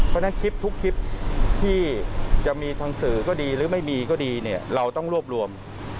เพราะฉะนั้นคลิปทุกคลิปที่จะมีทางสื่อก็ดีหรือไม่มีก็ดีเนี่ยเราต้องรวบรวม